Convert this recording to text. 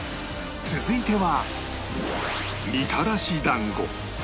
続いては